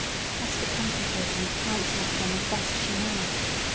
Hester comforted and counselled them, as best she might.